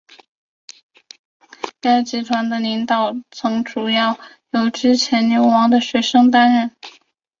该集团的领导层主要由之前流亡的学生担任。